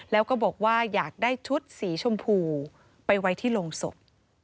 แล้วก็บอกว่าอยากได้ชุดสีชมพูไปไว้ที่โรงศพ